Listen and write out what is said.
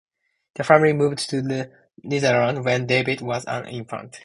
The family moved to the Netherlands when Davids was an infant.